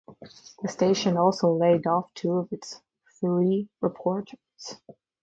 The station also laid off two of its three reporters.